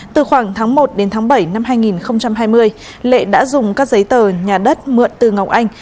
từ khoảng tháng một đến tháng bảy năm hai nghìn hai mươi lệ đã dùng các giấy tờ nhà đất mượn từ ngọc anh